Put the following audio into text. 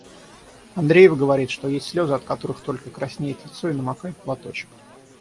Андреев говорит, что есть слёзы, от которых только «краснеет лицо и намокает платочек».